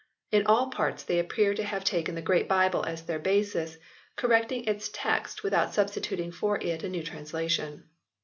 In all parts they appear to have taken the Great Bible as their basis, cor recting its text without substituting for it a new translation.